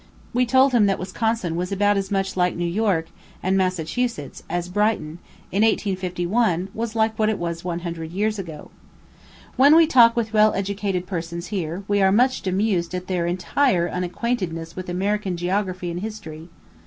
We told him that Wisconsin was about as much like New York and Massachusetts as Brighton, in 1851, was like what it was one hundred years ago. When we talk with well educated persons here, we are much amused at their entire unacquaintedness with American geography and history.